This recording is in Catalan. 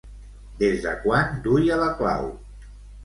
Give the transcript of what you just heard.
Des de quan duia la clau?